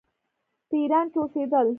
په ایران کې اوسېدل.